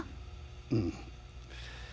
うん。